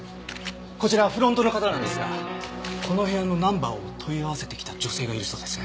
こちらフロントの方なんですがこの部屋のナンバーを問い合わせてきた女性がいるそうです。